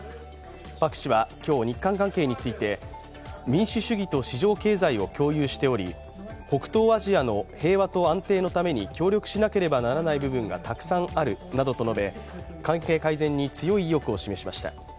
パク氏は今日日韓関係について民主主義と市場経済を共有しており北東アジアの平和と安定のために協力しなければならない部分がたくさんあるなどと述べ関係改善に強い意欲を示しました。